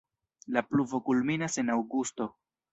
La pluvo kulminas en aŭgusto.